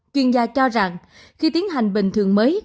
chuyên gia cho rằng khi tiến hành bình thường mới